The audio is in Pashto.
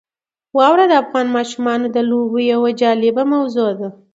واوره د افغان ماشومانو د لوبو یوه جالبه موضوع ده.